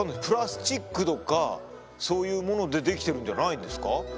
プラスチックとかそういうものでできてるんじゃないんですか？